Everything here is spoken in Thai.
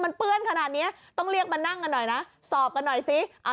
มันเปื้อนขนาดนี้ต้องเรียกมานั่งกันหน่อยดูข้าซอยเหมือนเขาจะยกมือหรอก